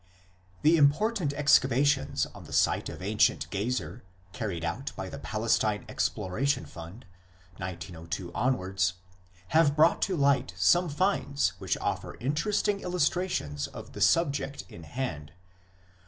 The important excavations on the site of ancient Gezer, carried out by the Palestine Exploration Fund (1902 onwards), have brought to light some " finds " which offer interesting illustrations of the subject in hand.